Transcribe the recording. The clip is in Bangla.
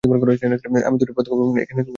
আমি দুটি প্রত্যক্ষ প্রমাণ এখনই এনে উপস্থিত করছি।